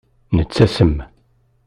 Nettasem.